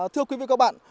thưa quý vị các bạn